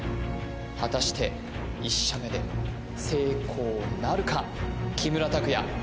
果たして１射目で成功なるか木村拓哉